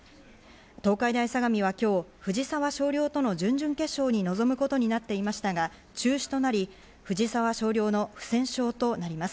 東海大相模は今日、藤沢翔陵との準々決勝に臨むことになっていましたが、中止となり、藤沢翔陵の不戦勝となります。